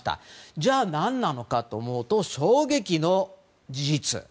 じゃあ、何なのかというと衝撃の事実。